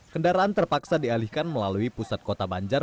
kendaraan terpaksa dialihkan melalui pusat kota banjar